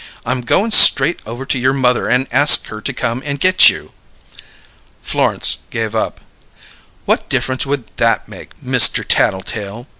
I'm goin' straight over to your mother and ask her to come and get you." Florence gave up. "What difference would that make, Mister Taddletale?"